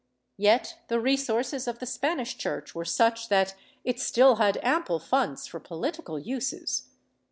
^ Yet the resources of the Spanish Church were such that it still had ample funds for political uses.